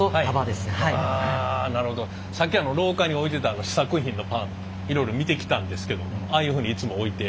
さっき廊下に置いてた試作品のパンいろいろ見てきたんですけどああいうふうにいつも置いて。